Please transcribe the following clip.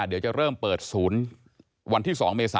เดี๋ยวจะเริ่มเปิดศูนย์วันที่๒เมษา